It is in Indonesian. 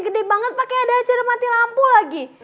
gede banget pakai ada acara mati lampu lagi